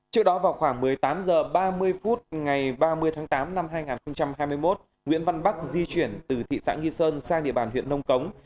trước đó vào khoảng một mươi tám h ba mươi phút ngày ba mươi tháng tám năm hai nghìn hai mươi một nguyễn văn bắc di chuyển từ thị xã nghi sơn sang địa bàn huyện nông cống